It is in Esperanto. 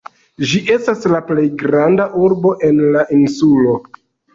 Ĝi estas la plej granda urbo en la insulo.